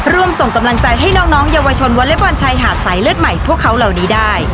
ร่วมส่งกำลังใจให้น้องเยาวชนวอเล็กบอลชายหาดสายเลือดใหม่พวกเขาเหล่านี้ได้